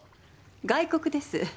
外国です。